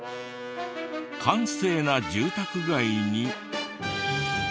閑静な住宅街に。